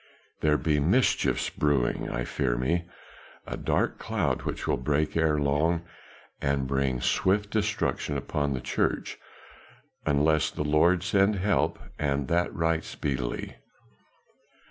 There be mischiefs brewing, I fear me; a dark cloud which will break ere long and bring swift destruction upon the church unless the Lord send help, and that right speedily."